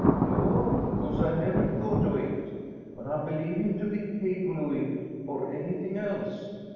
"No; because I never thought o' it. But I believe him to be capable o' it, or anything else.